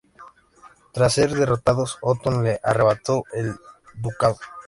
Tras ser derrotados, Otón le arrebató el ducado.